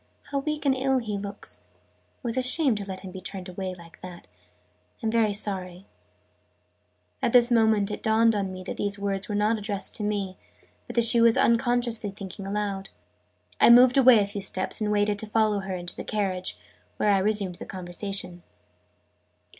"How weak and ill he looks! It was a shame to let him be turned away like that. I'm very sorry " At this moment it dawned on me that these words were not addressed to me, but that she was unconsciously thinking aloud. I moved away a few steps, and waited to follow her into the carriage, where I resumed the conversation.